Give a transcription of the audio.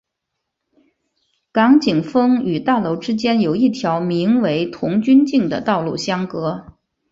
港景峰与大楼之间有一条名为童军径的道路相隔。